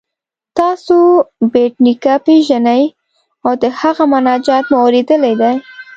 تاسو بېټ نیکه پيژنئ او د هغه مناجات مو اوریدلی دی؟